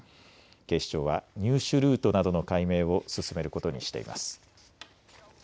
警視庁は入手ルートなどの解明を進めることにしています。。